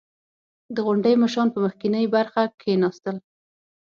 • د غونډې مشران په مخکینۍ برخه کښېناستل.